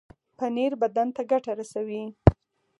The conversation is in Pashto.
پنېر بدن ته ګټه رسوي.